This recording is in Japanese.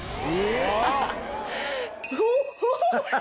おっ！